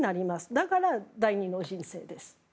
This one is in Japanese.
だから第二の人生です。